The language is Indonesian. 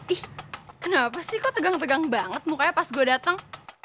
ih kenapa sih kok tegang tegang banget mukanya pas gue datang